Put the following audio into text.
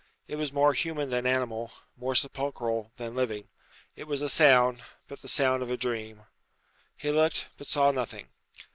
It was more human than animal; more sepulchral than living. It was a sound, but the sound of a dream. He looked, but saw nothing.